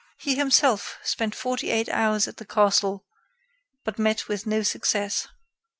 He himself spent forty eight hours at the castle, but met with no success.